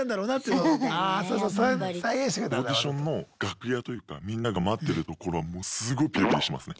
オーディションの楽屋というかみんなが待ってるところはすごいピリピリしてますね。